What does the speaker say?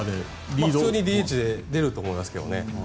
普通にＤＨで出ると思いますけどね。